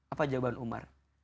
apa jawaban umar